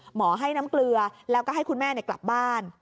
หมอให้น้ำเกลือแล้วก็ให้คุณแม่กลับบ้าน